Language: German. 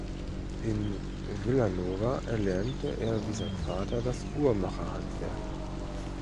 In Vilanova erlernte er wie sein Vater das Uhrmacherhandwerk.